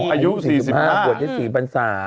อายุ๔๕บวชที่๔ภรรษา